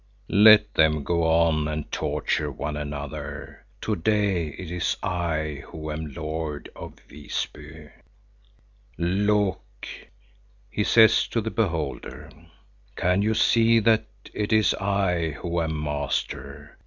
Let them go on and torture one another. To day it is I who am lord of Visby." "Look," he says to the beholder, "can you see that it is I who am master?